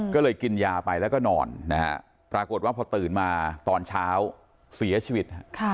ก็เลยกินยาไปแล้วก็นอนนะฮะปรากฏว่าพอตื่นมาตอนเช้าเสียชีวิต